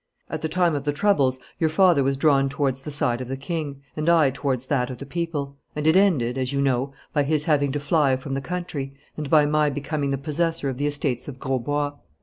At the time of the troubles your father was drawn towards the side of the King, and I towards that of the people, and it ended, as you know, by his having to fly from the country, and by my becoming the possessor of the estates of Grosbois.